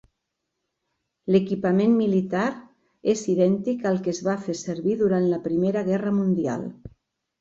L'equipament militar és idèntic al que es va fer servir durant la Primera Guerra Mundial.